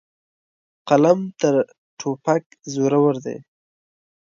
قلم تر توپک زورور دی.